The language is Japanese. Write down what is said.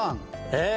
へえ。